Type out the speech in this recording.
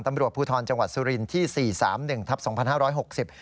ตำรวจภูทรจังหวัดสุรินทร์ที่๔๓๑ทัพ๒๕๖๐